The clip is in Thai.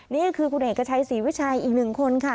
นี่คือคุณเอกชัยศรีวิชัยอีกหนึ่งคนค่ะ